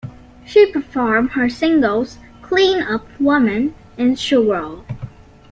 She performed her singles "Clean Up Woman" and "Shoorah!